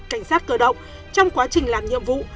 cảnh sát cơ động trong quá trình làm nhiệm vụ